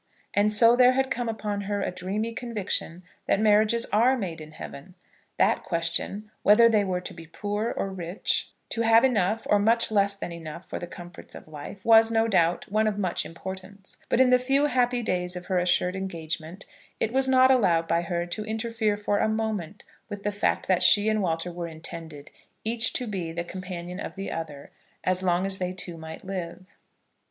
And so there had come upon her a dreamy conviction that marriages are made in heaven. That question, whether they were to be poor or rich, to have enough or much less than enough for the comforts of life, was, no doubt, one of much importance; but, in the few happy days of her assured engagement, it was not allowed by her to interfere for a moment with the fact that she and Walter were intended, each to be the companion of the other, as long as they two might live.